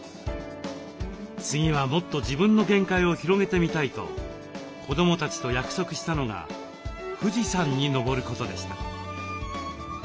次はもっと自分の限界を広げてみたいと子どもたちと約束したのが富士山に登ることでした。